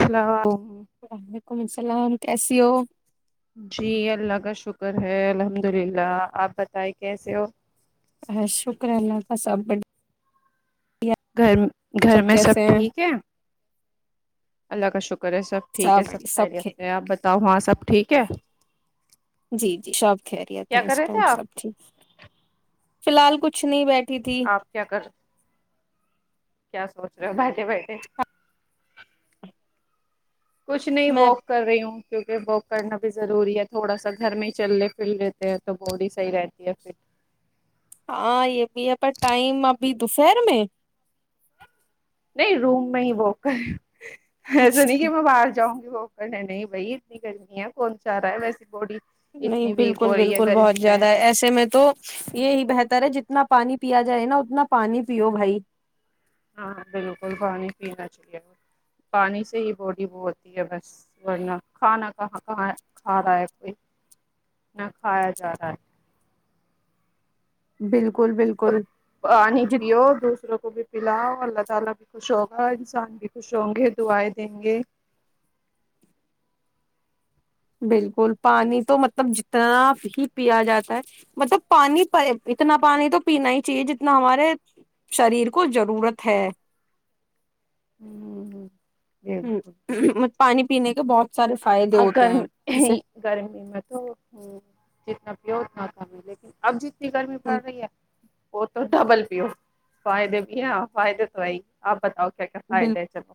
hello وعلیکم السلام کیسے ہو جی اللہ کا شکر ہے الحمد للہ آپ بتائ کیسے ہو ا شکر اللہ کا سب ب گھر گھر میں سب ہیں ٹھیک ہے اللہ کا شکر ہے سب ٹھیک ہے سب خیریت سے ہیں اپ بتائیے ت وہاں سب ٹھیک ہے جی جی شاپ کییریت کیا ہے کر اس رہے ٹائم تھے آپ سب ٹھیک ہے فلحال کچھ کچھ نہیں بیٹھی تھی آپ کیا کر کیا سوچ رہے ہو بھے بیھے کچھ نہیں میں واک کر رہی ہوں کیونکہ وک کرنا بھی ضروری ہے تھوڑا سا گھر میں ہی چل ل پھر لیتے ہیں تو باڈی صحیح رہتی ہے فٹ ہاں یہ بھی ہے پر ٹائم ابھی دوپہر میں نہیں روم میں ہی وہ کر ہے ای سنی اچھا کہ میں باہر جاؤں ہو کر ہے نہیں بھائی اتنی گرمی ہے کون چا رہا ہے ویسی باڈی نہیں اتنی ویک بالکل ہو رہی ہے بالکل گرمی بہت میں زیادہ ایسے میں تو یہی بہتر ترے جتنا پانی پیا جائے نا اتنا پانی پیو بھائی ہاں بالکل پانی پینا چاہیے پانی سے ہی باڈی وہ ہوتی ہے بس ورنہ کھانا کہاں کہاں کھا رہا ہے کوئی نہ کھایا جا رہا ہے بالکل بالکل پانی ج پیو دوسروں کو بھی الا اللہ تعالی خوش ہو گا انسان کی خوش ہوں گے دعائیں دیں گے بالکل پانی تو مطلب جتنا ہی پیا جاتا ہے مطلب پانی اتنا پانی تو پینا ہی چاہیے جتنا ہمارے شریر کو ضرورت ہے [inaudible] ہ م بالکل پانی پینے کا بہت سارے فائدے ہوتے ہیں جیسے گرمی گرمی میں تو جتنا بت مات میں لیکن اب جی ا گرمی پڑ رہی ہے وہ تو ڈبل پیو فائدے بھی نا فائدے تو ہے ہی آپ بتاؤ کیا کیا ب فائدے ہے چلو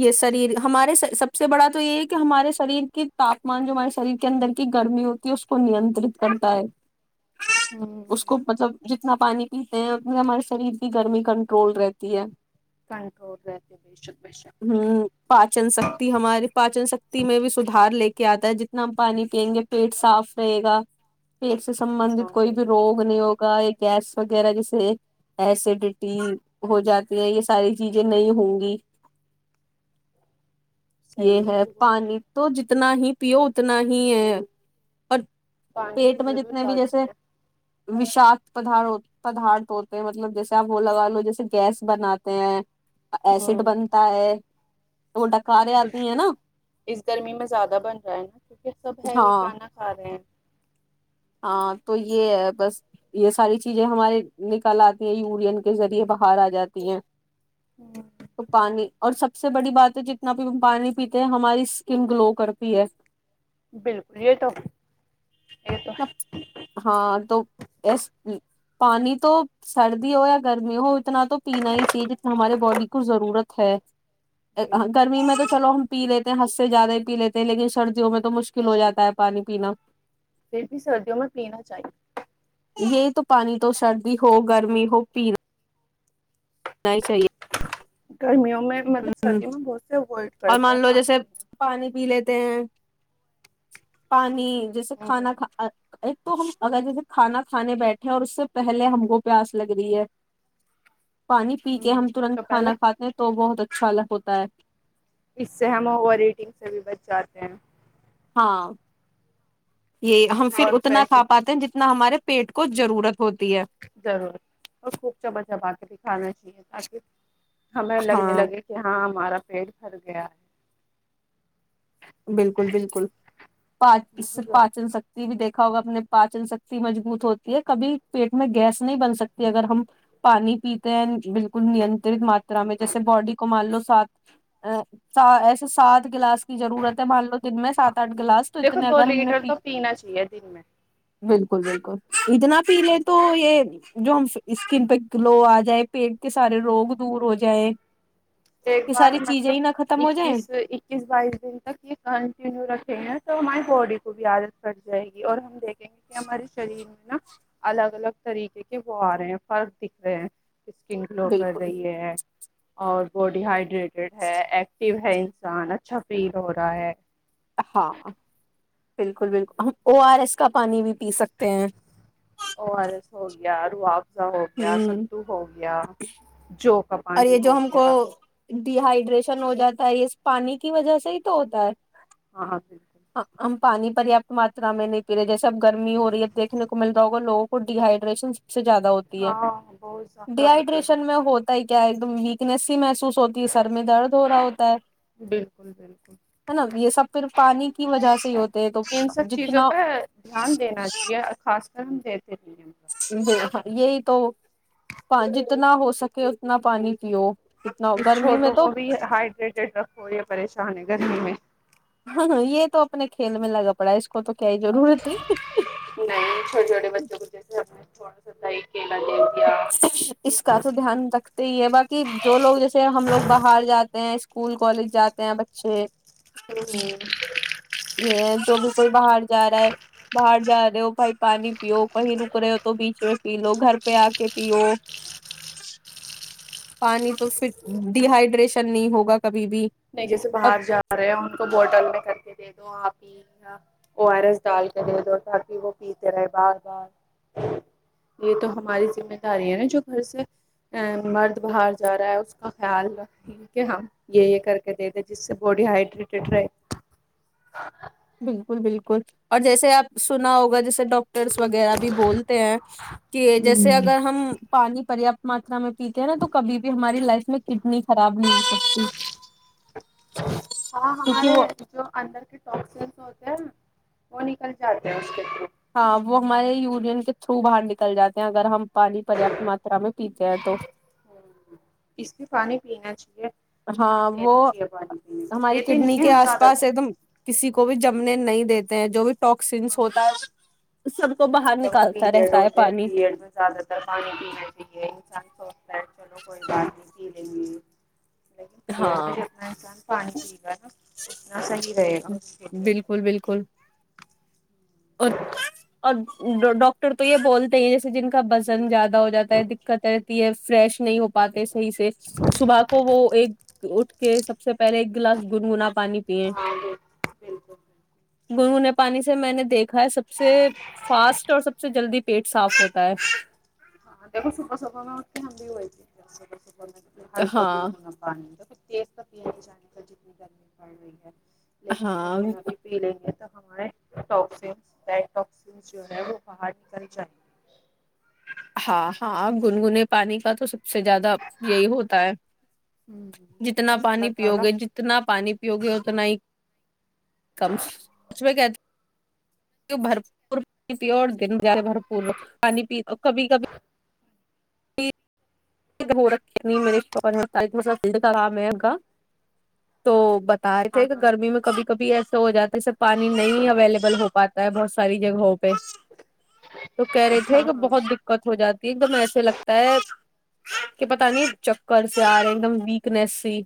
یہ شریر ہمارے سب سے بڑا تو یہ ہے کہ ہمارے شریر کی تاپمان جو ہمارے شریر کے اندر کی گرمی ہوتی ہے اس کو نینترت کرتا ہے ہوں اس کو مطلب جت اتنا پانی پیتے ہیں ہمارے شریر کی گرمی کنٹرول رہتی ہے کنٹرول رہتے بے شک بے شک ہ پاچن شکتی ہماری پاچن شکتی میں بھی سدھار لے کے کیا آتا ہے جتنا ہم پانی پئیں گے پیٹ صاف رہے گا پیٹ سے سبندت ہاں کوئی بھی بالکل روگ بالکل نہیں ہوگا ایک ایس وغیرہ جیسے ایسیڈیٹی ہو جات یہ ساری چیزیں نہیں ہوں گی یہ صحیح ہے بالکل پانی تو جت اتنا ہی پیو اتنا ہی ہے اور پانی کی ضرورت زیادہ ہے وشاکقت پد پدارھ ہوتے ہیں مطلب جیسے آپ وہ لگا لو جیسے گیس بناتے ہیں ایسڈ ہوں بنتا ہے وہ ڈکاریں آتی ہیں نا اس گرمی میں زیادہ بن رہا ہے نا کیونکہ سب ہے ہاں وہ کھانا کھا رہے ہیں ہاں تو یہ ہے بس یہ ساری چیزیں ہمارے نکل آتی ہیں یورین کے ذریعے باہر آ جاتی ہیں ہیں ک پانی اور سب سے بڑی بات ہے جتنا بھی ہم پانی پیتے ہیں ہماری اسکن گلو کرتی ہے بالکل یہ تو یہ تو ہے ہاں توس پانی تو سردی ہو یا گرمی ہو اتنا تو پینا ہی چاہیے جتنا ہمارے باڈی کو ضرورت ہے بالکل گرمی میں تو چلو پی لیتے ہیں ہد سے زیادہ ہی پی لیتے ہیں لیکن سردیوں میں تو مشکل ہو جاتا ہے پانی پینا پھر بھی سردیوں میں پینا چاہیے یہ تو پانی تو سردی ہو گرمی ہو پیا ب ہی چاہیے [unintelligible] گرمیوں مطلب ہ سردی میں بہت سے اوائڈ کرتے ہیں پانی پینے ت پانی [unintelligible] جیسے کھانا ہ کھا ایک تو ہم اگر جیسے کھانا کھانے بیٹھے ہیں اور اس سے پہلے ہم کوو پیاس لگ رہی ہے پانی ہ پیتے ہم تو ترنت پہلے کھانا کاتے ہیں تو بہت اچھا خالح ہوتا ہے [unintelligible] اس سے ہم اوور ریٹنگ سے بھی بچ جاتے ہیں ہاں یہ ہم پھر اور اتنا پیسے کا پاتے ہیں جتنا نہ ہمارے پیٹ کو ضرورت ہوتی ہے ضرور اور خوب چب جما کے بھی کھانا ٹھ اس کے ہمیں لگنے ہاں لگے کہ ہاں ہمارا [unintelligible] پیٹ پھر گیا ہے بالکل بالکل پاچر بہت پاچن شکتی بھی دیکھ کا ہوگا اپنے پاچن شکتی مجبوط ہوتی ہے کبھی پیٹ میں گیس نہیں بن سکتی اگر ہم پانی پیتے ہیں بالکل نینترت ماترا میں جیسے باڈی کو مان لو سات ا ایسے سات گلاس ضرورت بھ لو دن میں ہاں سات آٹھ گلاس تو دیکھو اتنے دو اگر ہم نے لیٹر پی تو پینا چاہیے دن میں بالکل بالکل اتنا پی لے تو یہ جو ہم اسکن پہ د لو آ جائے [unintelligible] پیٹ کے ہ سارے ہ روگ دور ہو جائےیں ایک بار مطلب ختم ہو جائیں اکیس اکیس بائیس دن تک یہ کنٹینیو رکھیں گ تو ہماری باڈی کو بھی عادت پٹ جائے گی اور ہم دیک کہ ہمارے شریر میں نا الگ الگ طریقے کے وہ آ رہے ہیں فرق دکھ رہے ہیں اسکن گلو کر بالکل رہی ہے اور باڈی ہائڈریٹیڈ ہے ایکٹو ہے انسان اچھا فیل ہو رہا ہے ہاں بالکل بالکل آر ای اس کا پانی بھی پی سکتے ہیں یارو آپ ہو گیا ہوں ستو ہو گیا جو اور یہ کبانی جو ہو ہم کو گیا ڈی ہائیڈریشن ہو جاتا ہے یہ پانی کی وجہ سے ہی تو ہوتا ہے آ بالکل ہم پانی پریاپت ماترا میں نہیں پی رہے جیسے اب گرمی ہو رہی اب دیکنے کو مل رہا ہوگا لووں کو ڈیہائڈریشن سب سے زیادہ ہاں بہت ڈ زیادہ ہو رہی ہائڈریشن میں ہے ہوتا ہی ایک دم ویکنیس ہی میں محسو ہوتی ہے سر میں درد ہو رہا ہوتا ہے بالکل بالکل ہے نا یہ سب پھر پانی کی وجہ سے ہی ہوتے ہے تو ان سب چیزوں جتنا ہاں جی ج یہی تو جتنا ہو سکے اتنا پانی پیو اتنا اس گرمی میں چھوٹوں تو کو بھی ہائڈریٹیڈ رکھو یہ پریشان ہے گرمی میں ہاں ہاں یہ تو اپنے کھیل میں لگا پڑا ہے اس کو تو کیا ہی ضرورت ہے نہیںائ چھوٹیے چھوٹیے بچوں کو دس ہ تھوڑا سد ایک اس کا تو دھیان رکھتے ہی ہے باق جو لوگ جیسے ہم لوگ باہر جاتے ہیں اسکول کالج جاتے ہیں بچے ہ یہ جو بھی کوئی باہر جا رہا ہے باہر جا رہے ہو بھائی پانی پیو کہیں رک رہے ہو تو بیچ میں پی لو گھر پہ آ کے پیو پانی تو پھر ڈیہائڈریشن نہیں ہوگا کبھی بھی نہیں جیسے اور باہر جا رہے ہیں ان کو بوٹل میں کر کے دے دو آپ او آر ایس ڈال کے دے دو تاکہ وہ پیتے رہے بار بار یہ تو ہماری ذمہ داری ہے نا جو گھر سے مرد باہر جا رہا ہے اس کا خیال ر کہ ہم یہ یہ کر دے د جس سے باڈی ہائڈریٹڈ رہے بالکل بالکل اور جیسے آپ سنا ہوگا جس ڈٹرس وغیرہ بھی بولتے ہیں کہ جیسے ہوں اگر ہم پانی پرت ماترا میں پیتے ہیں نا تو کبھی بھی ہماری لائف میں کڈنی خراب نہیں ہو سکتی ہاں کیونکہ ہمارے وہ جو اندر کے ٹکس وہ نکل جاتے ہیں اس کے تھرو ہاں وہ ہمارے یونین کے تھرو باہر نکل جاتے ہیں اگر ہم پانی پریاپت ماترا میں پیتے ہیں تو اس لیے پانی پینا چاہیے دھیان ہاں وہ دینا چاہیے پانی پینے پہ ہماری دیتے نہیں کڈنی ہیں کے ہم آس زیادہ پاس تر ایک دم کسی کو بھی جمنے نہیں دیتے جو بھی ٹاکسینس ہاں ہوتا ہے سب کو باہر جب نکالتا پیریڈ رہتا ہے ہوتے ہیں پانی پیریڈ میں زیادہ تر پانی پینا چاہیے انسان سوچتا ہے چلو کوئی بات نہیں پ لیکن پیے گا ہاں جتنا انسان پانی پی گا نا اتنا صحی بالکل بالکل اور اور ڈاکٹر تو یہ بولتے ہیں جیسے جن کا وزن زیادہ ہو جاتا ہے دقت ہے یہ فریش نہیں ہو پ باتے صحیح سے صبح کو وہ ایک اٹھ کہ سب سے پہلے ایک گلاس گنگنا پانی پیئے ہاں بالکل گنگونے پانی سے میں نے دیکھا ہے سب سے فاسٹ اور سب سے جلدی پیٹ صاف ہوتا ہے [unintelligible] ہلکا گو ہاں گنا پا تیز کا پیا نہیں جاتا جتنی گرمی پڑ رہی ہے لیکن ہاں گنگنا بھی پی لیں گے تب ہمارے talk sense bed talk sense جو ہے وہ باہر نکل جاہے ہاں ہاں گنگنے پانی کا توسب سے زیادہ یہی ہوتا ہے ہوں جتنا بس پانی اللہ پیو تعالی گے جتنا پانی پیو گے اتنا ہی کم سچ میں کہ بھرپور پانی پیو دن بھر بھرپور پانی پیو کبھی کبھی جی [unintelligible] [unintelligible] کبھی ہاں ہاں ایسا ہو جاتا جیسے پانی نہیں اویلیبل ہو پاتا ہے بہت ساری جگہوں تو کہہ رہے تھے ہاں کہ ہاں بہت دقت ہو جاتی ایک دم ایسے لگتا ہے کہ پتا نہیں چکر سے آ رہے ایک دم ویکنیس سی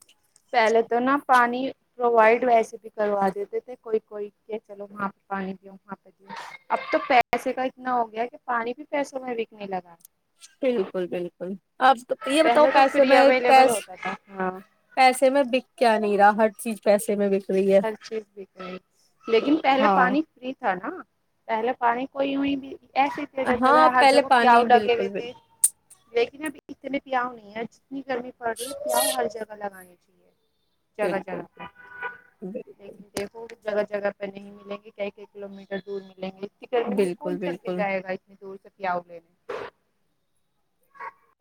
پہلے تو نا پانی پرووائڈ ویسے بھی کروا دیتے تھے کوئی کوئی کہ چلو وہاں پہ پانی دوں وہاں پہ د اب تو پیسے کا اتنا ہو گیا کہ پانی بھی پیسوں میں بکنے لگا بالکل بالکل آپ یہ بتاؤ پہلے تو پیسے فری میں اویلیبل ہوتا تھا ہاں پیسے میں بک کیا نہیں رہا ہر چیز پیسے میں رہی ہے ہر چیز بک رہی ہے لیکن پہلے ہاں پانی فری تھا نا پہلے پانی کوئی ہوئی بھی ایسے اتنے لتا تھا ہاں ہر پہلے جگہ پیاؤ پانی لگے ہوئے بالکل بال تھے لیکن اب اتنے پیاؤ نہیں [unintelligible] اتنی گرمی پڑ رہی ہے پیاؤ ہر جگہ لگانی [inaudible] جگہ بالکل جگہ پہ بالکل [unintelligible] جگہ جگہ پہ نہیں ملیں گی کئی کئی کلو میٹر دور ملیں گے گرمی میں بالکل کون چل کے بالکل جائے گا اتنے دور سے یاوول نے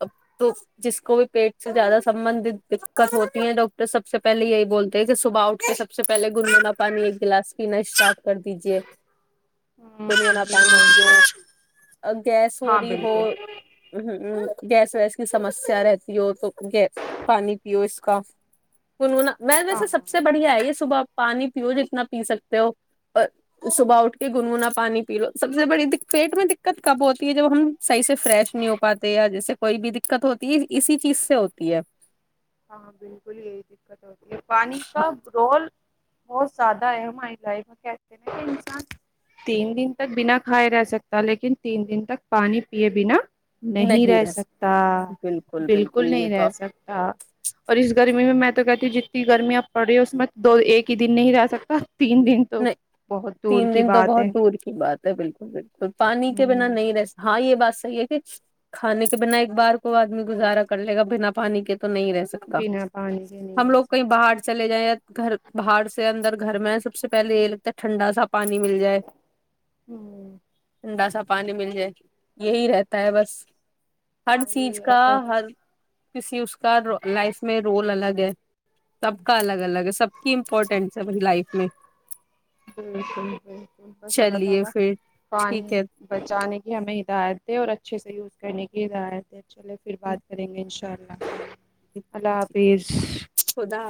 اب تو جس کو بھی پیٹ سے زیادہ سبندت دقت ہوتی ہے ڈاکٹر سب سے پہلے یہی بولتے ہیں کہ صبح اٹھ کے سب سے پہلے گنگنا پانی ایک گلاس پینا اسٹارٹ کر دیجے ہ کو والا یہی بولتے پانیے گیس ہو ہاں رہی ہو بالکل گیس ویس کی سمسیا رہتی ہو تو گ پانی پیو اس کا گننا میں ہاں ویسے سب سے بڑھیا ہے یہ صبحپ پانی پیو جتنا پی سکتے ہو اور صبح اٹھ کے گنگنا پانی پی لو سب سے بڑی پیٹ میں دقت کب ہوتی ہے جب ہم صحیح سے فریش نہیں ہو پاتے جیسے کوئی بھی دقت ہوتی ہے اسی چیز سے ہوتی ہے ہاں بالکل یہی دقت ہوتی ہے پانی کا رول بہت زیادہ ہے ہماری کہتے کہ انسان تین دن تک بنا کھائے رہ سکتا لیکن تین دن تک پانی پیئے بنا نہیں رہ سکتا بالکل یہ نہیں تو رہ آپ سکتا اور اس گرمی میں تو کہتی ہوں جتنی گرمی آپ پڑ رہی ہو اس میں دو ایک ہی دن نہیں رہ سکتا تین دن تو نہیں بہت دور تین کی دن تو بات ہے بہت دور کی بات ہے بالکل بالکل پانی کے بنا ہ نہیں رہس ہاں یہ بات حی ہے کہ کھانے کے بنا ایک بار کو آدمی گزارا کر لے گا بنا پانی کے تو نہیں رہ سکتا بنا پانی کے نہیں ہم رہ لوگ کہیں سکتا باہر چلے جائیں گھر باہر سے اندر گھر میں سب سب سے پہلے یہ لگتا ہے ٹھنڈا سا پانی مل جائے ہوں [unintelligible] ٹنڈا سا پانی مل جائے گی یہی رہتا ہے بس ہر ہاں یہی چیز کا رہتا ہے بس ہر کسی اس کا لائف میں رول الگ ہے سب کا الگ الگ ہے سب کی امپورٹینٹ ہے ب لائف میں بالکل بالکل بس اللہ چلیے تعالی پھر ٹھیک پانی ہے بچانے کی ہمیں ہدایت دے اور ا اچھے سے یوز کرنے کی ضات ہے چلے پھر بات کریں گے ان شاءلہ چار ل [unintelligible] اللہ حافظ خدا